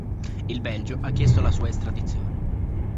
Il Belgio ha chiesto la sua estradizione.